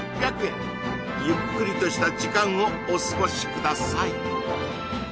ゆっくりとした時間をお過ごしください